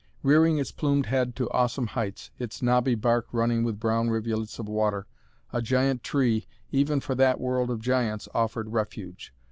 Rearing its plumed head to awesome heights, its knobby bark running with brown rivulets of water, a giant tree, even for that world of giants, offered refuge.